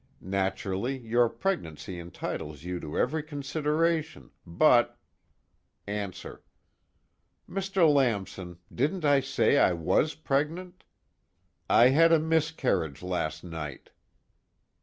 Naturally your pregnancy entitles you to every consideration, but ANSWER: Mr. Lamson, didn't I say I was pregnant? I had a miscarriage last night.